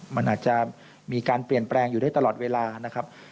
มันอาจจะมีการเปลี่ยนแปลงอยู่ได้ตลอดเวลานะครับ